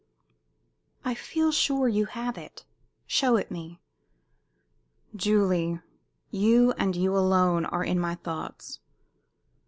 "I feel sure you have it. Show it me." "Julie, you and you only are in my thoughts!"